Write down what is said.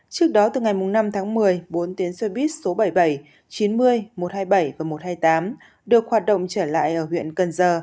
trước đó từ ngày năm tháng một mươi bốn tuyến xe buýt số bảy mươi bảy chín mươi một trăm hai mươi bảy và một trăm hai mươi tám được hoạt động trở lại ở huyện cần giờ